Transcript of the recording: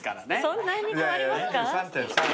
そんなに変わりますか？